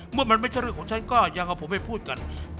เมื่อมันไม่ใช่เรื่องของฉันก็ยังเอาผมไปพูดกัน